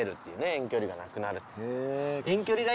遠距離がなくなるっていう。